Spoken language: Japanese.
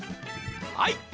はい。